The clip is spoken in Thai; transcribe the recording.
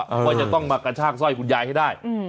ว่าจะต้องมากระชากสร้อยคุณยายให้ได้